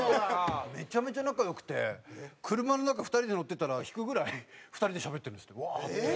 めちゃめちゃ仲良くて車の中２人で乗ってたら引くぐらい２人でしゃべってるんですってワーッと。